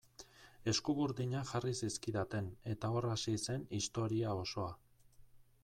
Eskuburdinak jarri zizkidaten eta hor hasi zen historia osoa.